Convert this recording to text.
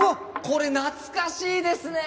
これ懐かしいですね。